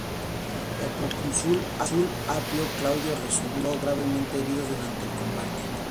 El procónsul Apio Claudio resultó gravemente herido durante el combate.